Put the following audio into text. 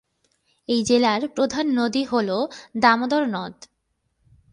এই জেলার প্রধান নদী হল দামোদর নদ।